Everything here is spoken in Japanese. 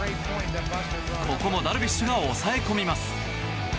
ここもダルビッシュが抑え込みます。